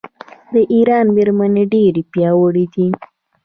د ایران میرمنې ډیرې پیاوړې دي.